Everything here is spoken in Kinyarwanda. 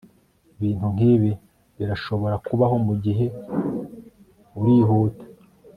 Ibintu nkibi birashobora kubaho mugihe urihuta